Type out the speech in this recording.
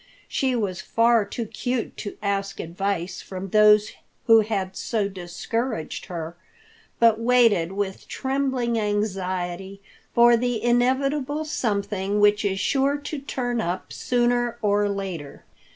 She was far too cute to ask advice from those who had so discouraged her, but waited with trembling anxiety for the inevitable something which is sure to turn up sooner or later.